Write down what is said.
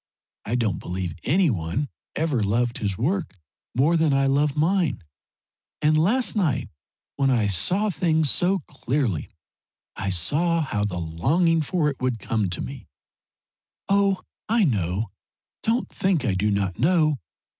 I don't believe any one ever loved his work more than I love mine, and last night when I saw things so clearly I saw how the longing for it would come to me oh, I know. Don't think I do not know.